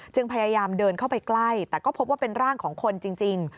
พยายามเดินเข้าไปใกล้แต่ก็พบว่าเป็นร่างของคนจริง